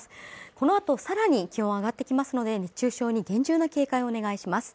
このあとさらに気温上がってきますので熱中症に厳重な警戒をお願いします。